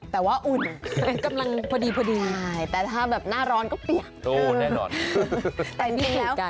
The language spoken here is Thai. แต่ว่าอุ่นพอดีใช่แต่ถ้าแบบหน้าร้อนก็เปียก